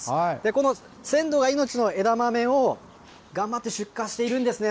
この鮮度が命の枝豆を頑張って出荷しているんですね。